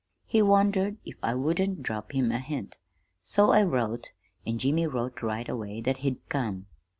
He wondered if I wouldn't drop him a hint. So I wrote, an' Jimmy wrote right away that he'd come.